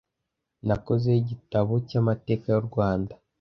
Nakoze yigitabo cyamateka y'urwanda.